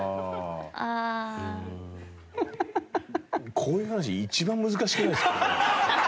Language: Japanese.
こういう話一番難しくないですか？